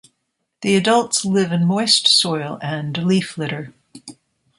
The adults live in moist soil and leaf litter.